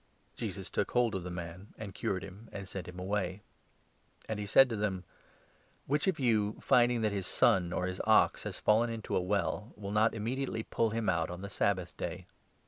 Jesus took hold of the man and cured him, and sent him away. And he said to them :" Which of you, finding that his son or his ox has fallen into a well, will not immediately pull him out on the Sabbath Day?"